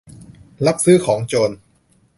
รับซื้อของโจร